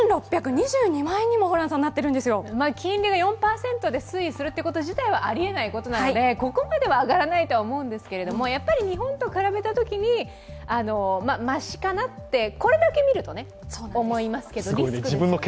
金利が４％で推移するということ自体はありえないことなのでここまでは上がらないとは思うんですけれどもやっぱり日本と比べたときにましかなって、これだけ見ると思いますけど、リスクですよね。